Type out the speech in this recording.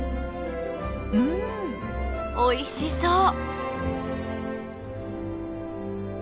うんおいしそう！